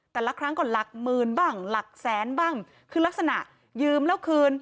แต่ละครั้งก็หลักหมื่นบ้างหลักแสนบ้างคือลักษณะยืมแล้วคืน